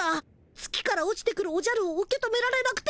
月から落ちてくるおじゃるを受け止められなくて。